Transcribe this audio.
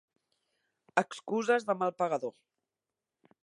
Excuses de mal pagador.